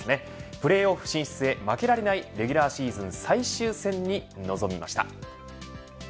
プレーオフ進出へ負けられないレギュラーシーズン最終戦に臨みました。